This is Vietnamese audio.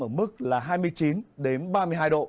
ở mức là hai mươi chín đến ba mươi hai độ